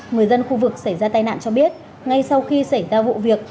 người dân khu vực xảy ra tai nạn cho biết ngay sau khi xảy ra vụ việc